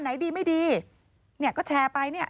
ไหนดีไม่ดี